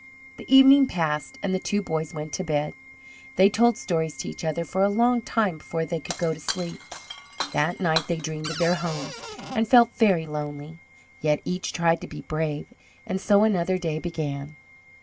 The evening passed, and the two boys went to bed. They told stories to each other for a long time before they could go to sleep. That night they dreamed of their homes, and felt very lonely. Yet each tried to be brave, and so another day began.